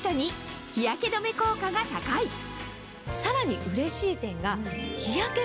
さらにうれしい点が。